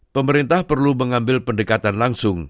pemerintah perlu mengambil pendekatan langsung